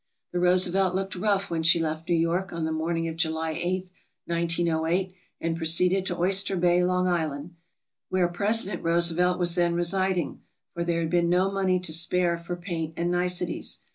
The "Roosevelt" looked rough when she left New York on the morning of July 8, 1908, and proceeded to Oyster Bay, Long Island, where President Roosevelt was then residing, for there had been no money to spare for paint and niceties.